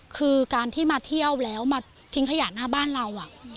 คือการที่มาเที่ยวแล้วมาทิ้งขยะหน้าบ้านเรา